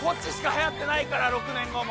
はやってないから６年後も。